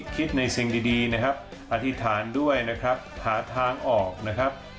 คิดในสิ่งดีนะครับอธิษฐานด้วยนะครับหาทางออกนะครับ